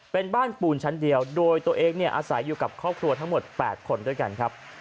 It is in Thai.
เป็นบ้านปูนชั้นเดียวโดยตัวเองอาศัยอยู่กับครอบครัวทั้งหมด๘คนด้วยกันครับ